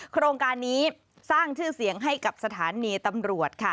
โครงการนี้สร้างชื่อเสียงให้กับสถานีตำรวจค่ะ